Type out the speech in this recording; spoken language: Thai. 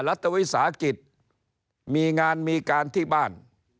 รัฐวิสาหกิจมีงานมีการที่บ้าน